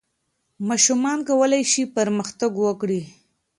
ماشومان کولای سي پرمختګ وکړي.